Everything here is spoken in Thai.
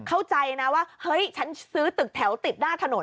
เข้าใจนะว่าเฮ้ยฉันซื้อตึกแถวติดหน้าถนน